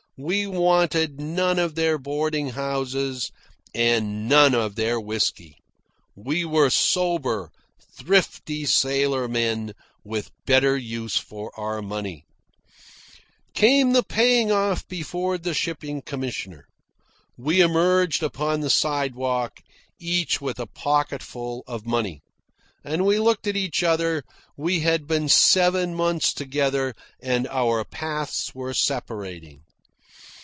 We wanted none of their boarding houses and none of their whisky. We were sober, thrifty sailormen, with better use for our money. Came the paying off before the shipping commissioner. We emerged upon the sidewalk, each with a pocketful of money. About us, like buzzards, clustered the sharks and harpies. And we looked at each other. We had been seven months together, and our paths were separating.